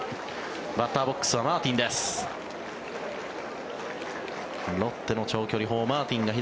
バッターボックスはマーティンです。